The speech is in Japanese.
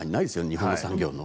日本の産業の。